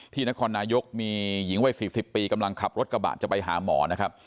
นครนายกมีหญิงวัย๔๐ปีกำลังขับรถกระบะจะไปหาหมอนะครับ